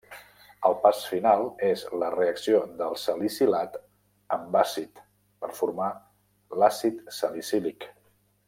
El pas final és la reacció del salicilat amb àcid per formar l'àcid salicílic.